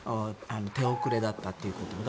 手遅れだったということで。